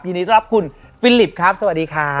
ยินดีรับคุณฟิลิปครับสวัสดีค่ะ